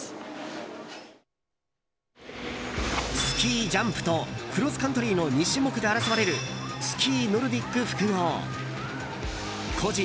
スキージャンプとクロスカントリーの２種目で争われるスキー・ノルディック複合。